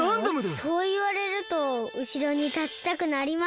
そういわれるとうしろにたちたくなります。